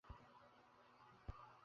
ভয়ঙ্কর কেউ, যে আমাকে মারবে।